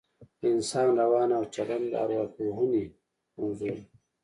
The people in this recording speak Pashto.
د انسان روان او چلن د اوراپوهنې موضوع ده